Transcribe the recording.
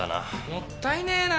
もったいねえな。